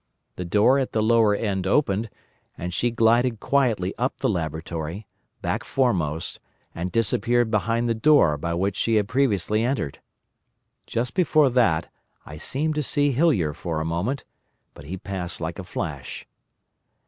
The door at the lower end opened, and she glided quietly up the laboratory, back foremost, and disappeared behind the door by which she had previously entered. Just before that I seemed to see Hillyer for a moment; but he passed like a flash.